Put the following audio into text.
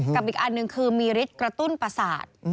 อีกอันหนึ่งคือมีฤทธิ์กระตุ้นประสาท